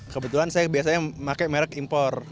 kebetulan saya biasanya memakai merek impor